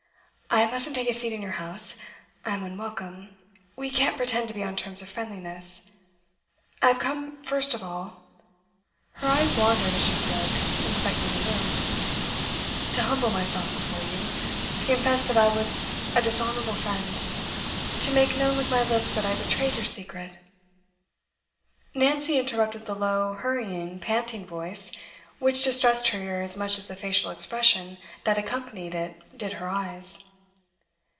'I mustn't take a seat in your house. I am unwelcome; we can't pretend to be on terms of friendliness. I have come, first of all,' her eyes wandered as she spoke, inspecting the room, 'to humble myself before you to confess that I was a dishonourable friend, to make known with my lips that I betrayed your secret ' Nancy interrupted the low, hurrying, panting voice, which distressed her ear as much as the facial expression that accompanied it did her eyes.